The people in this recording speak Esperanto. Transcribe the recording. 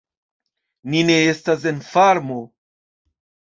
Ni ne estas en farmo."